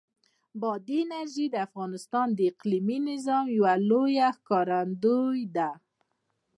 بادي انرژي د افغانستان د اقلیمي نظام یوه لویه ښکارندوی ده.